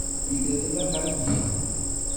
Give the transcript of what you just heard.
Anida tella xalti-m?